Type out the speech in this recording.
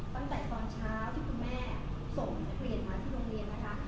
ตั้งแต่ตอนเช้าที่คุณแม่ส่งนักเรียนมาที่โรงเรียนนะคะ